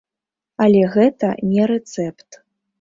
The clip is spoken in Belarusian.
Але гэта не рэцэпт.